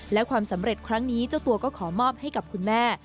และความสำเร็จครั้งนี้เจ้าตัวก็ขอมอบให้กับคุณแม่